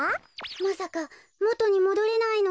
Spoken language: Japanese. まさかもとにもどれないの？